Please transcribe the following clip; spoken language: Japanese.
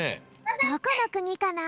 どこの国かな？